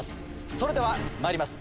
それではまいります。